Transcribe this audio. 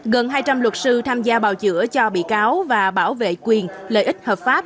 gần hai trăm linh luật sư tham gia bào chữa cho bị cáo và bảo vệ quyền lợi ích hợp pháp